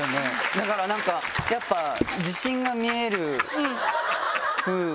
だからなんかやっぱ自信が見えるふうだし。